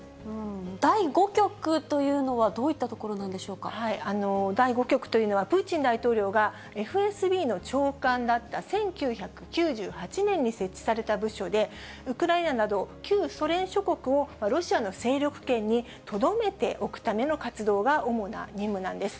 第５局というのは、どういっ第５局というのは、プーチン大統領がＦＳＢの長官だった１９９８年に設置された部署で、ウクライナなど旧ソ連諸国をロシアの勢力圏にとどめておくための活動が主な任務なんです。